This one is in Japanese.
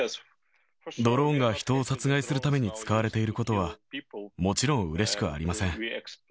ドローンが人を殺害するために使われていることは、もちろんうれしくありません。